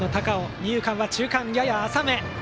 二遊間は中間、やや浅め。